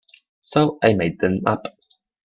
So I made them up.